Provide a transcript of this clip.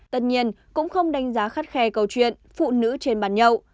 tất nhiên cũng không đánh giá khắt khe câu chuyện phụ nữ trên bàn nhậu